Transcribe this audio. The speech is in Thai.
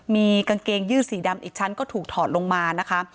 มีกางเกงยืดสีดำอีกชั้นก็ถูกถอดลงมานะคะ